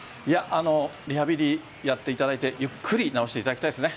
リハビリやっていただいてゆっくり治していただきたいですね。